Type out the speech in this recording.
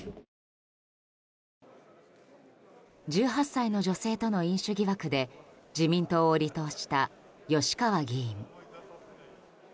１８歳の女性との飲酒疑惑で自民党を離党した吉川議員。